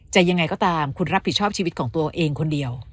ยังไงก็ตามคุณรับผิดชอบชีวิตของตัวเองคนเดียว